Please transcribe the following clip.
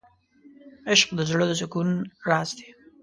عشق د زړه د سکون راز دی.